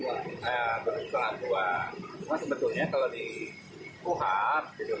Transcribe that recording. berhak mendapatkan hubungan dari kuasa hukum pengadara